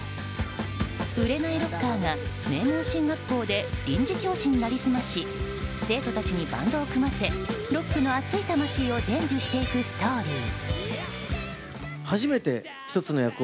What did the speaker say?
売れないロッカーが名門進学校で臨時教師に成り済まし生徒たちにバンドを組ませロックの熱い魂を伝授していくストーリー。